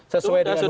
sesuai dengan hukum